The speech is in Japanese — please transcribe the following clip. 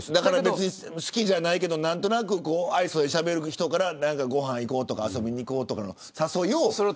好きじゃないけど、何となく愛想よくしゃべる人からご飯に行こうとか遊びに行こうとかの誘いを。